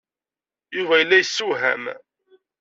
Yuba yella yesewham.